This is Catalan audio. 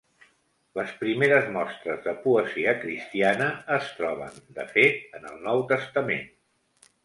Les primeres mostres de poesia cristiana es troben, de fet, en el Nou Testament.